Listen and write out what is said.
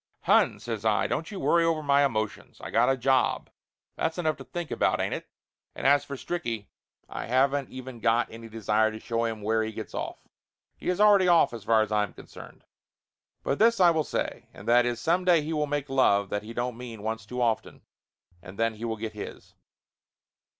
"Hon," says I, "don't you worry over my emotions. I got a job, that's enough to think about, ain't it ? And as for Stricky, I haven't even got any desire to show him where he gets off. He is already off as far as I am concerned. But this I will say, and that is, some day he will make love that he don't mean once too often, and then he will get his."